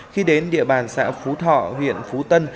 khi đến địa bàn xã phú thọ huyện phú tân